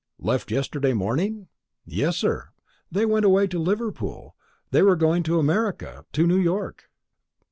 "Left yesterday morning?" "Yes, sir. They went away to Liverpool; they are going to America to New York."